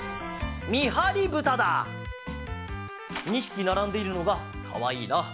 ２ひきならんでいるのがかわいいな。